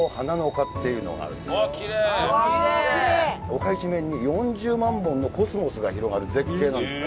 丘一面に４０万本のコスモスが広がる絶景なんです。